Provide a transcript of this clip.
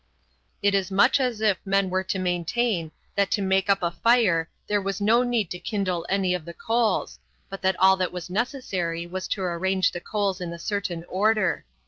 It is much as if men were to maintain that to make up a fire there was no need to kindle any of the coals, but that all that was necessary was to arrange the coals in a certain order.